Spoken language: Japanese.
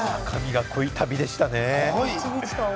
濃い旅でしたね。